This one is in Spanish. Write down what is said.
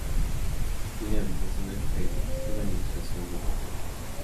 Tiene a veces una estrella y una ilustración de Patriota.